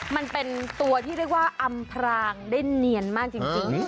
มันเป็นตัวที่เรียกว่าอำพรางได้เนียนมากจริง